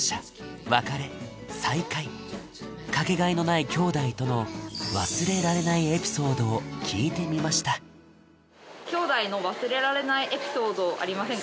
かけがえのないきょうだいとの忘れられないエピソードを聞いてみましたきょうだいの忘れられないエピソードありませんか？